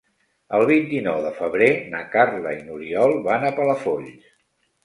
El vint-i-nou de febrer na Carla i n'Oriol van a Palafolls.